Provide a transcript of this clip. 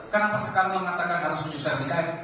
kenapa sekarang mengatakan harus mencari ikn